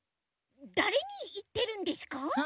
だれにいってるんですか？